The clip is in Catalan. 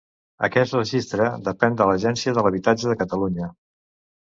Aquest registre depèn de l'Agència de l'Habitatge de Catalunya.